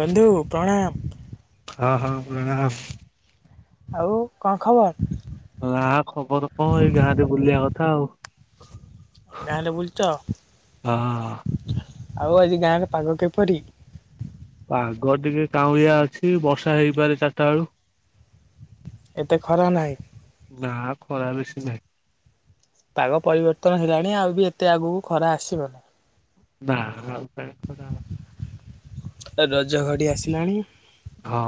ବନ୍ଧୁ ପ୍ରଣାମ। ହଁ ହଁ ପ୍ରଣାମ। ଆଉ କଣ ଖବର? ନା ଖବର କଣ ଏଇ ଗାଁରେ ବୁଲିବା କଥା ଆଉ। ଗାଁରେ ବୁଲୁଚ ହଁ। ଆଉ ଆଜି ଗାଁରେ ପାଗ କିପରି? ପାଗ ଟିକେ କାଉଁଳିଆ ଅଛି ବର୍ଷା ହେଇପାରେ ଚାରିଟା ବେଳୁ। ଏତେ ଖରା ନାହିଁ। ନା ଖରା ବେଶୀ ନାହିଁ। ପାଗ ପରିବର୍ତ୍ତନ ହେଲାଣି ଆଉ ବି ଏତେ ଆଗକୁ ଖରା ଆସିବ? ମାଆ ବାପା। ରଜ ଘଡି ଆସିଲାଣି। ହଁ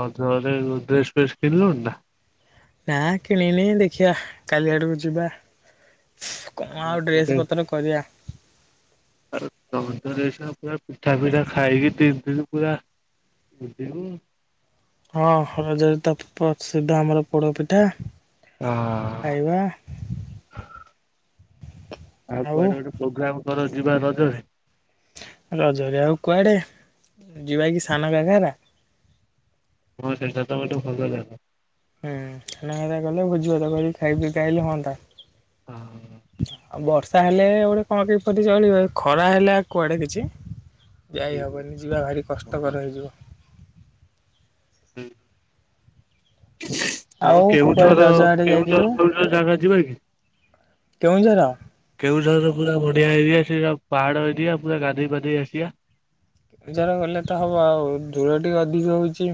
ରଜ ଘଡିରେ ଡ୍ରେସ୍ ଫେସ୍ କିଣିଲୁଣିନା? ନା କିଣିନି ଦେଖିବା କାଲି ଆଡକୁ ଯିବା? କଣ ଆଉ ମାର୍କେଟ ଡ୍ରେସ ପତ୍ର କରିବା? [unintelligible] ପିଠା ପିଠା ଖାଇକି ତିନି ଦିନି ପୁରା। ଏତେଦିନ। ହଁ ରଜରେ ତ ପ୍ରସିଦ୍ଧ ଆମର ପୋଡପିଠା। ହଁ। ଖାଇବା। ଆଉ କୁଆଡେ ଗୋଟେ ପ୍ରୋଗ୍ରାମ କର ଯିବା ରଜରେ। ରଜରେ ଆଉ କୁଆଡେ ଯିବା କି ସାନ ଘାଗରା। ହଁ ସେଟା ତ ଗୋଟେ ଭଲ ଜାଗା। ହୁଁ ସାନ ଘାଗରା ଗଲେ ଭୋଜି ଭାତ କରିକି ଖାଇ ପିଇକି ଆଇଲେ ହୁଅନ୍ତା। ହଁ। ଆଉ ବର୍ଷା ହେଲେ ଗୋଟେ କଣ କିପରି ଚଳିବ ଖରା ହେଲେ କୁଆଡେ କିଛି। ଯାଇ ହବନି ଯିବା ଭାରି କଷ୍ଟକର ହେଇଯିବ। ହୁଁ। [inaudible] ଆମ ଆଉ କୁଆଡ଼େ କେଉଁଝର ରଜ ଆଡ଼େ ଯାଇଥିଲୁ କେଉଁଝର ଜାଗା ଯିବା କି? କେଉଁଝର? କେଉଁଝରର ପୁରା ବଢିଆ ଏରିଆ ସେରା ପାହାଡ଼ ଏରିଆ ପୁରା ଗାଧୋଇ ପାଧେଇ ଆସିବା। ଜର ଗଲେ ତ ହବ ଆଉ ଦୂର ଟିକେ ଅଧିକ ହଉଛି।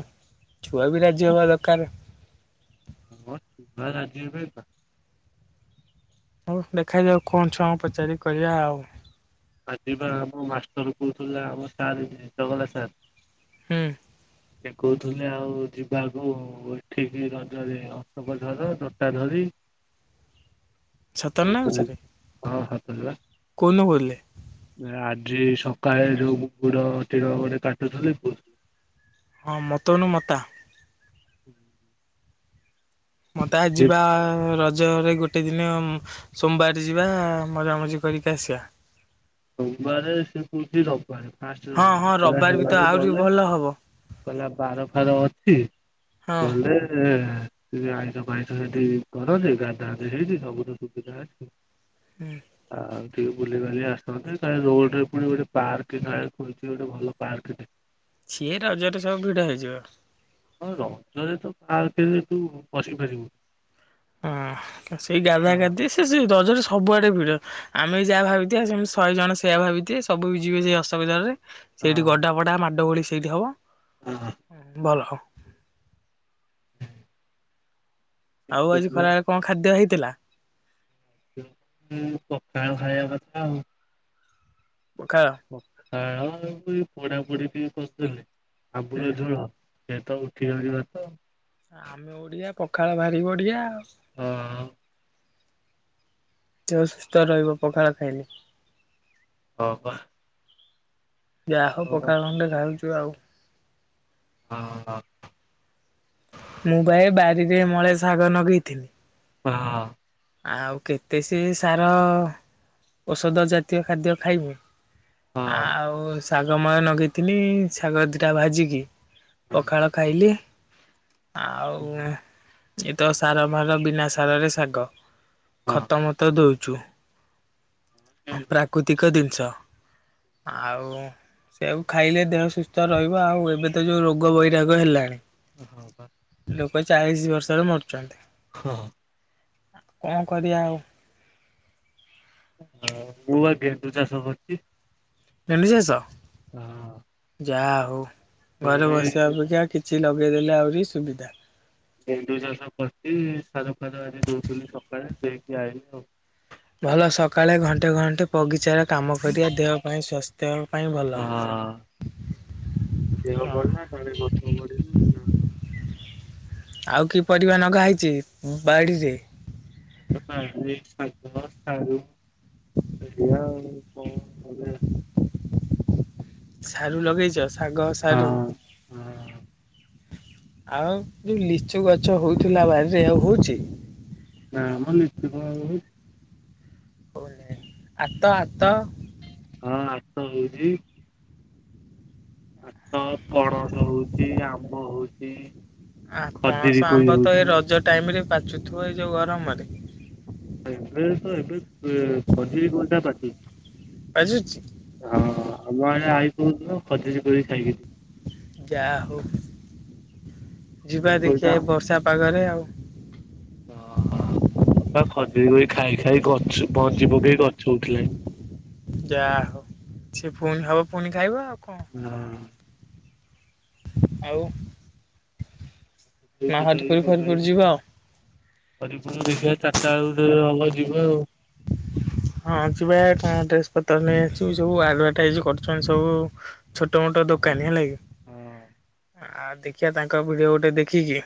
ଛୁଆ ବି ରାଜି ହେବା ଦରକାର। ହଁ ଛୁଆ ରାଜି ହେବେ ତ। ହଉ ଦେଖାଯାଉ କଣ ଛୁଆଙ୍କୁ ପଚାରିକି କହିିବା ଆଉ। ଆଜିିବା ଆମ ମାଷ୍ଟର କହୁଥିଲା ଆମ ସାର ଜଗନ୍ନାଥ ସାର୍। ହୁଁ। ସେ କହୁଥିଲେ ଆଉ ଯିବାକୁ ଏଠିକି ରଜରେ ଅଶୋକଝର ଜଟା ଧରି। ସତରେ ନା କହୁଥିଲେ ମିଛରେ ହଁ ସତରେ କୋଉଦିନ କହୁଥିଲେ? ଆଜି ସକାଳେ ଯୋଉ [unintelligible] ଗୋଟେ କାଟୁଥିଲି ପୁ ହଁ ମତଉନୁ ମତା। ହୁଁ ହୁଁ। ମତେ ଆ ଯିବା ରଜରେ ଗୋ ଗୋଟେ ଦିନ ସୋମବାର ଯିବା ମଜାମଜି କରିକି ଆସିବା। ସୋମବାରେ ସେ କହୁଛି ହଁ ହଁ ରବିବାର ବି ତ ରବିବାରେ ଆହୁରି ଗଲେ ଭଲ ହବ କହିଲା ବାର ଫାର ଅଛି ହଁ। ଗଲେ ଆଇଁଷ ଫାଇଁସ ସେଠି କରନ୍ତି ଗାଧା ଗାଧ ହେଇଛି ସବୁଠ ସୁବିଧା ଅଛି। ହୁଁ। ହଉ ଟିକେ ବୁଲିବାଲି ଆସ ରୋଡରେ ପୁଣି ଗୋଟେ ପାର୍କ ଗୋଟେ ଭଲ ପାର୍କେ ସିଏ ରଜରେ ସବୁ ଭିଡ ହେଇଯିବ। ହଁ ରଜରେ ତ ବାରେ ତୁ ବସି ପାରିବୁନୁ। ହଁ ସେଇ ଗାଧା ହଁ। ଗାଧି ସେ ସେ ରଜରେ ସବୁଆଡେ ଭିଡ। ଆମେ ବି ଯାହା ଭାବିଥିବା ସେମତି ଶହେ ଜଣ ସେୟଆ ଭାବିଥିବେ ସବୁ ବି ଯିବେ ସେଇ ଅଶୋକଝରରେ ହଁ ସେଇଠି ଗଡାପଡା ମାଡ ଗୋଳି ସେଇଠି ହବ। ହୁଁ। ହଁ ଭଲ। ଆଉ ଆଜି ଖରାବେଳେ କଣ ଖାଦ୍ୟ ହେଇଥିଲା? ହୁଁ ପଖାଳ ଖାଇବା କଥା ଆଉ ପଖାଳ। ପଖାଳ ଆଉ ଏଇ ପୋଡାପୋଡ଼ି ଟିକେ କରିଦେଲେ ଆମ୍ବୁଲ ହୁଁ। ଝୋଳ। ସେ ତ ଉଠି ଜିବତ। ଆମେ ଓଡିଆ ପଖାଳ ଭାରି ବଢ଼ିଆ ଆଉ ହଁ ଦେହ ସୁସ୍ଥ ରହିବ ପଖାଳ ଖାଇଲେ। ହ ବା। ଯାହା ହଉ ଓହୋ। ପଖାଳ ଖଣ୍ଡେ ଖାଉଛୁ ଆଉ ହଁ। ମୁଁ ପା ବାରିରେ ମଳେ ଶାଗ ନଗେଇଥିଲି। ହଁ। ଆଉ କେତେ ସେ ସାର ଔଷଧ ଜାତୀୟ ଖାଦ୍ୟ ଖାଇବୁ। ହଁ। ଆଉ ଶାଗମୟ ଲଗେଇଥିଲି ଶାଗ ଦିଟା ଭାଜିକି। ପଖାଳ ଖାଇଲି ଆଉ ହୁଁ। ଏ ତ ସାର ଭାର ବିନା ସାରରେ ଶାଗ ହଁ ଖତ ମ ତ ଦଉଛୁ। ପ୍ରାକୃତିକ ଜିନିଷ ଆଉ ସେୟାକୁ ଖାଇଲେ ଦେହ ସୁସ୍ଥ ରହିବ ଆଉ ଏବେ ତ ଯୋଉ ରୋଗ ବୈରାଗ ହେଲାଣି? ହଁ ବା। ଲୋକ ଚାଳିଶ ବର୍ଷରେ ମରୁଛନ୍ତି। ହଁ। କଣ କରିବା ଆଉ? ହ ମୁବା ଗେଣ୍ଡୁ ଚାଷ କରୁଛି। [unintelligible] ଚାଷ ହଁ। ଯାହା ହଉ ଏ ଘରେ ବସିବା ଅପେକ୍ଷା କିଛି ଲଗେଇଦେଲେ ଆହୁରି ସୁବିଧା। ଗେଣ୍ଡୁ ଚାଷ କରିଚି ସାର ଫାର ଆଜି ଦଉଥିଲି ସକାଳେ ଦେଇକି ଆଇିଲି ଆଉ ଭଲ ସକାଳେ ଘଣ୍ଟେ ଘଣ୍ଟେ ବଗିଚାରେ କାମ କରିବା ଦେହ ପାଇଁ ସ୍ୱାସ୍ ଦେହ ପାଇଁଁ ଭଲ୍‌ ଅ ହ ହ ହ ଦେହ ହଁ ଭଲ ନାଇଁ। ତଳେ [unintelligible] ଆଉ କି ପରିବା ଲଗାହେଇଚି ବାଡ଼ିରେ। [unintelligible] ସାରୁ ଲଗେଇଚ ଶାଗ ସାରୁ। ହଁ ଆଉ ଯୋଉ ଲିଚୁ ଗଛ ହଉଥିଲା ବାରିରେ ଆଉ ହଉଚି? ନାଁ ମ ଲିଚୁ କଣ ଆଉ ହଉଚି। ଆତ ଆତ। ହଁ ଆତ ହଉଚି। ଆତ ପଣସ ହଉଚି ଆମ୍ବ ହଉଚି। ଆ ପଣସ ଆମ୍ବ ତ ଏଇ ରଜ ଟାଇମ ରେ ପାଚୁଥିବ ଏଇ ଯୋଉ ଗରମରେ। ଏବେ ତ ଏବେ ଖଜୁରୀ କଣ୍ଟା ପାଚିଚି। ପାଚୁଛି। ହଁ ଆମ ଆଡେ ଆଇ କହୁଥିଲ ଖଜୁରୀ କୋଳି ଖାଇକି ଯାହା ହଉ ଯିବା ଖଜୁରୀ କୋଳି ଟା ଦେଖିଆ ଏଇ ବର୍ଷା ପାଗରେ ଆଉ। ଓପା ଖଜୁରୀ କୋଳି ଖାଇ ଖାଇ ଗଛ ମଞ୍ଜି ପକେଇ ଗଛ ଉଠିଲାଣି। ଯାହା ହଉ ସେ ପୁଣି ହବ ପୁଣି ଖାଇବ ଆଉ କଣ। ହଁ। ଆଉ। [unintelligible] ଯିବ। ହରିପୁର ଦେଖିବା ଚାରିଟା ବେଳୁକୁ ଜଦି ହବ ଯିବା ଆଉ। [inaudible] ହଁ ଯିବା ଟା ଡ୍ରେସ ପତ୍ର ନେଇ ଆସିବୁ। ସବୁ ଆଡଭର୍ଟାଇଜ କରୁଚନ୍ତି ସବୁ। ଛୋଟ ମୋଟ ଦୋକାନୀ ହେଲା କି ଆଉ ଦେଖିବା ତାଙ୍କ ଭିଡିଓ ଗୋଟେ ଦେଖିକି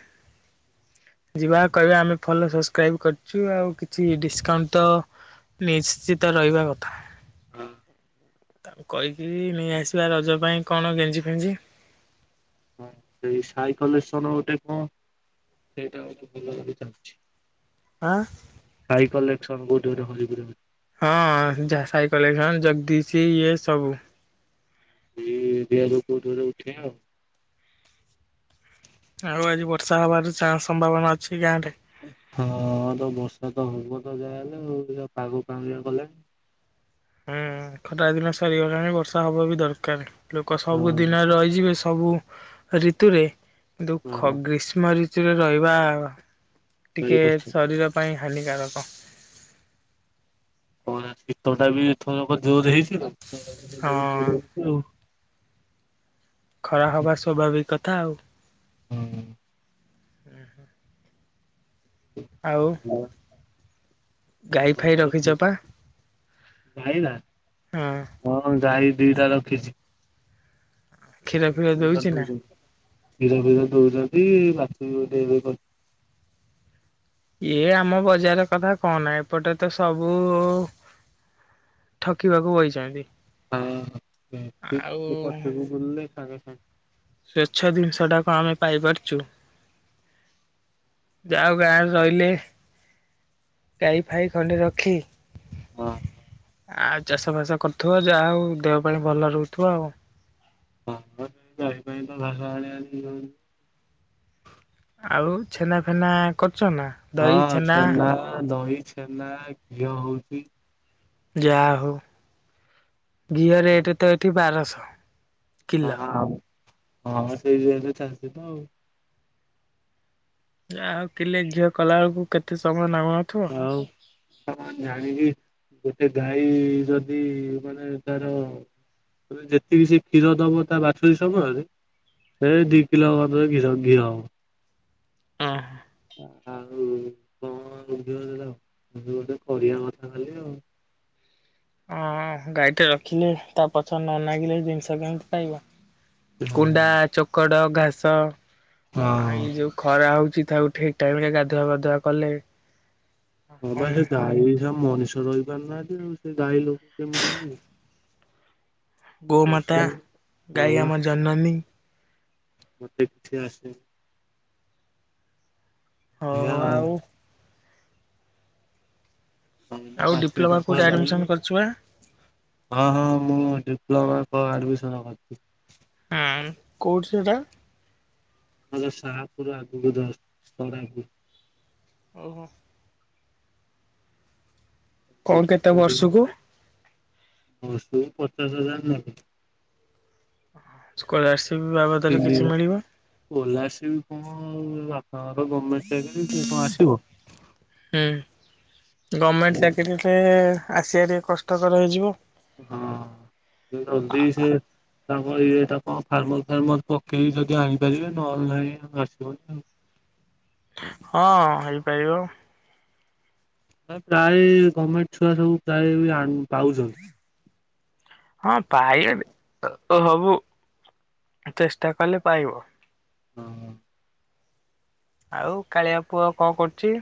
ଯିବା କହିବା ଆମେ ଫଲୋ ସବସ୍କ୍ରାଇବ୍ କରିଚୁ ଆଉ କିଛି ଡିସକାଉଣ୍ଟ ତ ନିଶ୍ଚିତ ରହିବା କଥା। [unintelligible] ତାଙ୍କୁ କହିକି ନେଇ ଆସିବା ରଜ ପାଇଁ କଣ ଗେଞ୍ଜି ଫେଞ୍ଜି। ହଁ ସେଇ ସାଇ କଲେସନ ଗୋଟେ କଣ ସେଇଟା ଗୋଟେ ଭଲ ଭାବେ ଚାଲିଛି। ଆଁ। ସାଇ କଲେକ୍ସନ [unintelligible] ହଁ ଯାହା ସାଇ କେଲେକସନ ଜଗଦୀଶ ଇଏ ସବୁ। ଇଏ [unintelligible] କୋଉଠୁ ଗୋଟେ ଉଠେଇବା ଆଉ। ଆଉ ଆଜି ବର୍ଷା ହବାର ଚାନ୍ ସମ୍ଭାବନା ଅଛି ଗାଁ ରେ। ହଁ ତ ବର୍ଷା ତ ହବ ତ ଯାହା ହେଲେ ଆଉ ପାଗ କାଉଁଳିଆ କଲାଣି। ଆଁ ଖଟା ଦିନ ସରିଗଲାଣି ବର୍ଷା ହବ ବି ଦରକାର। ଲୋକ ହଁ ସବୁଦିନ ରହିଯିବେ। ସବୁ ଋତୁରେ ଦୁଃଖ ହଁ ଗ୍ରୀଷ୍ମ ଋତୁ ଖୁସିରେ ରହିବା ଭାରି ଟିକେ କଷ୍ଟ ଶରୀର ପାଇଁ ହାନିକାରକ। ହଁ ନା ଶୀତ ଟା ବି ଏଥରକ ଜୋରେ ହେଇଚି ହଁ [unintelligible] ଖରା ହବା ସ୍ୱାଭାବିକ କଥା ଆଉ। [unintelligible] ଆଉ। ହଉ। ଗାଈ ହଁ ଫାଇ କଣ ରଖିଛ ଖାଇଛୁ ପା ଭାଇନା। ହଁ ହଁ ଗାଈ ଦିଟା ରଖିଛି। କ୍ଷୀର ଫିର ଦେଉଛି ନା। କ୍ଷୀର ଫିର ଦଉଛନ୍ତି। ବାଛୁରୀ ବି ବୋଧେ ଏବେ ଇଏ ଆମ ବଜାର କଥା କହନା ଏପଟେ ତ ସବୁ ଠକିବାକୁ ବଇଛନ୍ତି। ଆଉ ହଁ ପଛକୁ ବୁଲିଲେ ସାଙ୍ଗେ ସାଙ୍ଗେ। ସ୍ଵଚ୍ଛ ଜିନିଷ ଟାକୁ ଆମେ ପାଇପାରୁଛୁ। ଯାାଉ ଗାଁରେ ରହିଲେ ଗାଈ ଫାଇ ଖଣ୍ଡେ ରଖି। ହଁ। ଆଉ ଚାଷ ଫାସ କରୁଥିବ। ଯାହା ହଉ ଦେହ ପାଇଁ ଭଲ ରହୁଥିବ ଆଉ। [unintelligible] ଆଉ ଛେନା ଫେନା କରୁଚ ନା? ହଁ ଛେନା ଦହି ଛେନା ଘିଅ ହଉଛି। ଯାହା ହଉ ଘିଅ ରେଟ୍ ତ ଏଠି ବାରଶହ କିଲୋ। ଆଉ ହଁ ସେଇ ଜଣେ ଚାଷ ତ ଆଉ। ଆଉ କିଲେ ଘିଅ କଲା ବେଳକୁ କେତେ ସମୟ ନବ। ହଉ ଆ ଜାଣିଣି ଗୋଟେ ଗାଈ ଯଦି ମାନେ ତାର ଯେତିକି ସେ କ୍ଷୀର ଦବ ତା ବାଛୁରୀ ସମୟରେ ଏ ଦି କିିଲ ହବ ଘି ଘିଅ ହେବ। ହଁ ଆଉ କଣ ବୁଝିବ ମୁ କିଛି ଗୋଟେ କରିବା କଥା ଆଉ ହଁ ଗାଈଟେ ରଖିଲି ତା ପଛରେ ନ ନାଗିଲେ ଜିନିଷ କେମିତି ପାଇବ। କୁଣ୍ଡା ଚୋକଡ ଘାସ ହଁ ଆଉ ଏଇ ଯୋଉ ଖରା ହଉଛି ତାକୁ ଠିକ ଟାଇମ ରେ ଗାଧୁଆପାଧୁଆ କଲେ। ହଁ ବା ସେ ଗାଈ ସବୁ ମଣିଷ ରହିପାରୁନାହାନ୍ତି ଆଉ ସେ ଗାଈ ଲୋକ କେମିତି। ପଶୁ ଗୋମାତା ହଁ ଗାଈ ଆମ ଜନନୀ। ମୋତେ ପିଛେ ଆସେ। ହଉ ଆଉ [unintelligible] ଆଉ ଡିପ୍ଲୋମା କୋଉଠି ଆଡମିସନ କରିଛୁ ବା [unintelligible] ହଁ ହଁ ମୁଁ ଡିପ୍ଲୋମାକ ଆଡ଼ମିସନ କରିଛି। ହଁ କୋଉଠି ସେଟା? ସାହାପୁର ଆଗକୁ ଯ ଓହୋ କଣ କେତେ କୋଡ଼ିଏ ବର୍ଷକୁ? ବର୍ଷକୁ ପଚାଶ ହଜାର ନେଲେ। ସ୍କଲାରସିପ୍ ବାବଦରେ କିଛି ମିଳିବ। ସ୍କଲାରସୀପ କଣ ବାପାଙ୍କର ଗମେଣ୍ଟ ଚାକିରୀ ସେ କଣ ଆସିବ। ହୁଁ ଗମେଣ୍ଟ ହଁ ଚାକିରିୀରେ ଆସିବା ଟିକେ କଷ୍ଟକର ହେଇଯିବ। ହଁ ଯଦି ସେ ତାଙ୍କର ଇଏଟା କଣ ଫାର୍ମର ଫାର୍ମର ପକେଇକି ଯଦି ଆଣିପାରିବେ ନହେଲେ ନାଇଁ ଆସିବନି ଆଉ। ହଁ ହେଇପାରିବ। ପ୍ରାୟ ଗମେଣ୍ଟ ଛୁଆ ସବୁ ପ୍ରାୟ ବି ଆନ ପାଉଛନ୍ତି। ହଁ ପାଇ ଓ ହବୁ ଚେଷ୍ଟା କଲେ ପାଇବ। ହଁ। ଆଉ କାଳିଆ ପୁଅ କଣ କରୁଛି?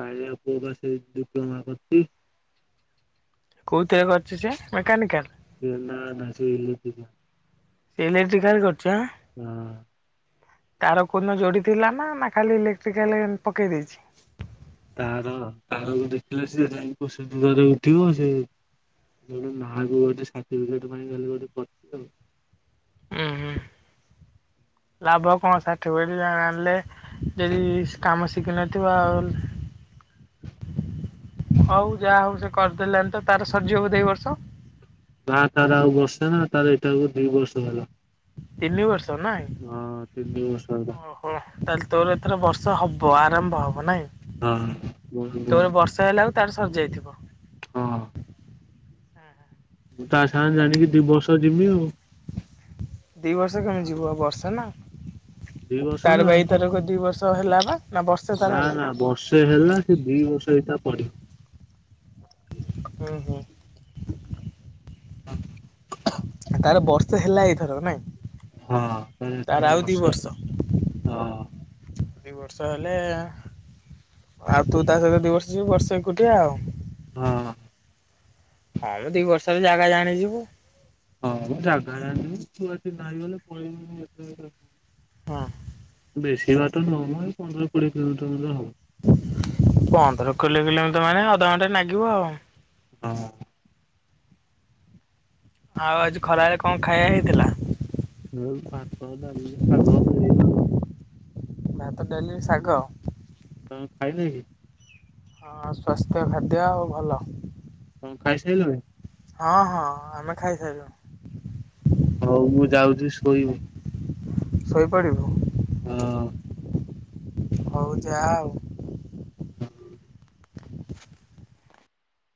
କାଳିଆ ପୁଅ ବା ସେ ଡିପ୍ଲୋମା କରୁଛି। କୋଉଥିରେ କରିଛି ସେ ମେକାନିକାଲ? ଏ ନା ନା ସେ ଇଲେଟିକାଲ୍। ଇଲେକ୍ଟ୍ରିକାଲ କରୁଚି ଆଁ। ହୁଁ। ତାର କୋଉ ଦିନ ଯୋଡି ଥିଲା ନା ନା ଖାଲି ଇଲେକ୍ଟ୍ରିକାଲ ଏମ ପକେଇ ଦେଇଛି? ତାର ତାରକୁ ଦେଖିଲେ ସିଏ ଯାଇ କୋସେ ଦୂରରେ ଉଠିବ ସେ ମୁଁ କହିଲି ନାଁ କୁ ଗୋଟେ ସାଟିଫିକେଟ ପାଇଁ ଖାଲି ଗୋଟେ କରୁଚି ଆଉ। ଉଁ ହୁଁ ଲାଭ କଣ ସାର୍ଟିଫିକେଟ ଯା ଆଣିଲେ ଯଦି କାମ ଶିଖିନଥିବ ଆଉ ହଉ ଯାହା ହଉ ସେ କରିଦେଲଣି ତ ତାର ସରିଯିବ ବୋଧ ଏ ବର୍ଷ? ନା ତାର ଆଉ ବର୍ଷେ ନା ତାର ଏଇଟାକୁ ଦି ବର୍ଷ ହେଲା। ତିନି ବର୍ଷ ହଁ ତିନି ବର୍ଷ ହେଲା। ହଁ ତାହେଲେ ତୋର ଏଥର ବର୍ଷେ ହବ ଆରମ୍ଭ ହବ ନାଇଁ? ହଁ ବହୁତ ନୂଆ ତୋର ବର୍ଷେ ହେଲାକୁ ତାର ସରି ଯାଇଥିବ। ହଁ। ତା ସାଙ୍ଗେ ଜାଣିକି ଦି ବର୍ଷ ଯିବି ଆଉ। ଦିଇ ବର୍ଷ କେମିତି ଯିବୁ ବା ବର୍ଷା ନା ଦି ବର୍ଷ ତାର ନା ବା ଏଇ ଥରକ ଦୁଇ ବର୍ଷ ହେଲା ବା। ନା ବର୍ଷେ ତାର ନା ହେଲା ନା ବର୍ଷେ ହେଲା ସେ ଦି ବର୍ଷ ହେଇ ତା ପଢିବ। ଓହୋ। ଆ କୋଥ ତାର ବର୍ଷେ ହେଲା ଏଇଥରକ ନାଇଁ? ହଁ ତାର ଏଇଥରକ ଆଉ ଦି ବର୍ଷେ ବର୍ଷ ହଁ, ଦି ବର୍ଷ ହେଲେ ଆଉ ତୁ ତା ସହିତ ଦି ବର୍ଷ ଯିବୁ ବର୍ଷେ ଏକୁଟିଆ ଆଉ। ହଁ। ଆଉ ଦି ବର୍ଷରେ ଜାଗା ଜାଣିଯିବୁ। ହଁ ମୁଁ ଜାଗା ଜାଣିନି ଛୁଆ ଚିହ୍ନା ହେଇଗଲେ ପଳେଇବନି ଏତେ ହଁ। ବେଶୀ ବାଟ ନୁହଁମ ଏଇ ପନ୍ଦର କୋଡ଼ିଏ କିଲୋମିଟର ଖଣ୍ଡେ ହବ। ପନ୍ଦର କୋଡିଏ କିଲୋମିଟର ମାନେ ଅଧଘଣ୍ଟା ଲାଗିବ ଆଉ। ହଁ। ଆଉ ଆଜି ଖରାବେଳେ କଣ ଖାଇଆ ହେଇଥିଲା? ଆଉ ଭାତ, ଡାଲି, ଶାଗ ଏଇଆଉ। ଭାତ, ଡାଲି, ଶାଗ? ତମେ ଖାଇଲଇଁ କି? ହଁ ସ୍ୱାସ୍ଥ୍ୟ ଖାଦ୍ୟ ଆଉ ଭଲ। ତମେ ଖାଇସାରିଲଣି? ହଁ ହଁ ଆମେ ଖାଇସାରିଲଣୁ। ହଉ ମୁଁ ଯାଉଛି ଶୋଇବି। ଶୋଇପଡିବୁ? ହଁ। ହଉ ଯା ଆଉ। ହଁ।